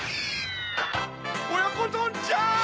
おやこどんちゃん！